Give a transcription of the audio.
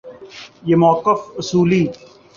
یہ موقف اصولی